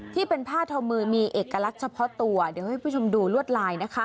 ที่เป็นผ้าทอมือมีเอกลักษณ์เฉพาะตัวเดี๋ยวให้คุณผู้ชมดูลวดลายนะคะ